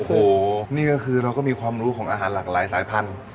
โอ้โหนี่ก็คือเราก็มีความรู้ของอาหารหลากหลายสายพันธุ์